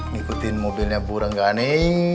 ngikutin mobilnya bu rengganing